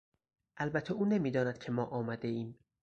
البته او نمیداند که ما آمدهایم.